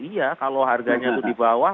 iya kalau harganya itu di bawah